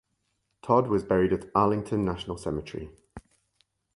Todd was buried at Arlington National Cemetery.